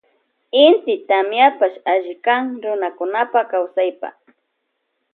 Inti tamiapash allikan runakunapa kawsaypa.